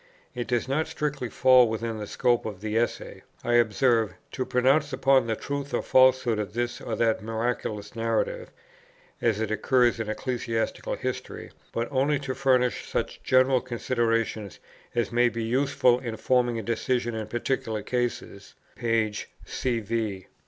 "It does not strictly fall within the scope of the Essay," I observe, "to pronounce upon the truth or falsehood of this or that miraculous narrative, as it occurs in ecclesiastical history; but only to furnish such general considerations, as may be useful in forming a decision in particular cases," p. cv.